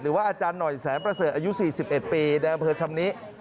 อาจารย์หน่อยแสนประเสริฐอายุ๔๑ปีในอำเภอชำนิ